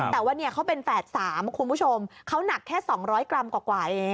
แต่ว่าเขาเป็นแฝด๓คุณผู้ชมเขาหนักแค่๒๐๐กรัมกว่าเอง